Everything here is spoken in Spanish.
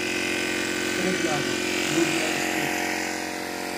Tres lagos, Woodland, St.